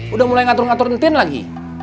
udah mulai ngatur ngatur entin lagi